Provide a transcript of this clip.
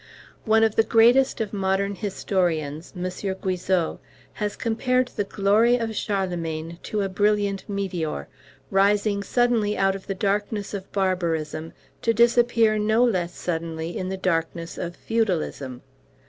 One of the greatest of modern historians, M. Guizot, has compared the glory of Charlemagne to a brilliant meteor, rising suddenly out of the darkness of barbarism to disappear no less suddenly in the darkness of feudalism.